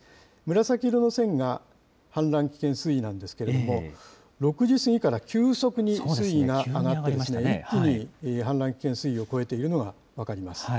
紫色の線が氾濫危険水位なんですけれども、６時過ぎから急速に水位が上がって、一気に氾濫危険水位を超えているのが分かります。